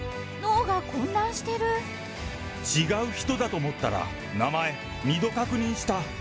違う人だと思ったら、名前、二度確認した。